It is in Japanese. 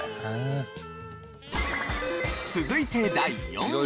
続いて第４位。